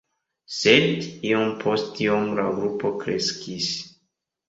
Sed iom post iom la grupo kreskis.